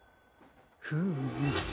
フーム。